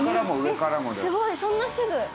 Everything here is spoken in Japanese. すごいそんなすぐ。